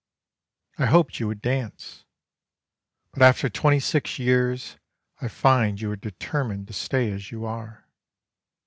I hoped you would dance but after twenty six years, I find you are determined to stay as you are.